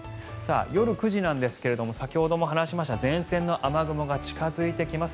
夜９時ですが先ほども話しました前線の雨雲が近付いてきます。